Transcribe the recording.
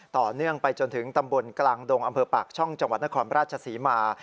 ต่อเนื่องไปจนถึงตำบลกลางดงอำเภอปากช่องจังหวัดนครราชศรีมา